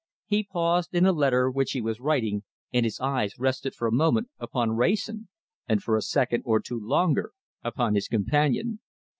He paused in a letter which he was writing and his eyes rested for a moment upon Wrayson, and for a second or two longer upon his companion.